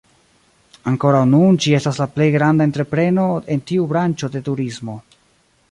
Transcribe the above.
Ankoraŭ nun ĝi estas la plej granda entrepreno en tiu branĉo de turismo.